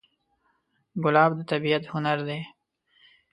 ګلاب د طبیعت هنر دی.